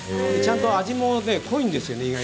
ちゃんと味も濃いんですよね